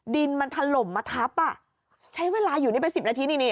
ดินมันถล่มมาทับอ่ะใช้เวลาอยู่นี่เป็นสิบนาทีนี่นี่